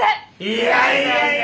いやいやいや。